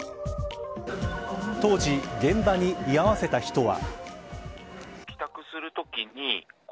当時、現場に居合わせた人は。